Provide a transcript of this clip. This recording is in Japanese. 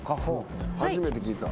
初めて聞いた。